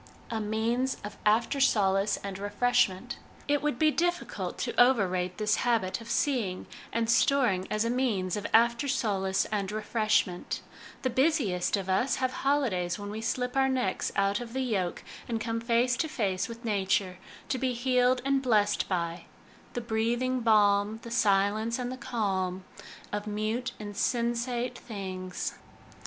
A Means of After Solace and Refreshment. It would be difficult to overrate this habit of seeing and storing as a means of after solace and refreshment The busiest of us have holidays when we slip our necks out of the yoke and come face to face with Nature, to be healed and blessed by " The breathing balm, The silence and the calm Of mute, insensate things."